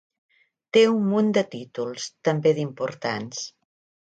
Té un munt de títols, també d'importants.